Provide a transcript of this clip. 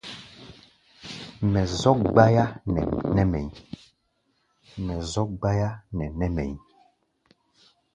Mɛ zɔ́k gbáyá nɛ nɛ́ mɛ̧ʼí̧.